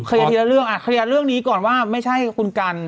ทีละเรื่องอ่ะเคลียร์เรื่องนี้ก่อนว่าไม่ใช่คุณกัน